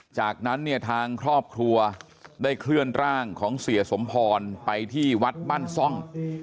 จากนั้นเนี่ยทางครอบครัวได้เคลื่อนร่างของเสียสมพรไปที่วัดบ้านซ่อง